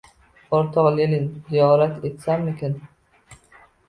O’rtoq Leninni ziyorat etsammikin?